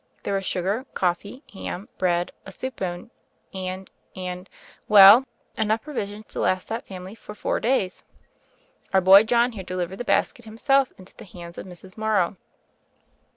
There was sugar, THE FAIRY OF THE SNOWS 51 coffee, ham, bread, a soup bone — and — and — well, enough provisions to last that family for four days. Our boy John here delivered the basket himself into the hands of Mrs. Morrow.'